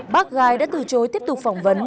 bác gái đã từ chối tiếp tục phỏng vấn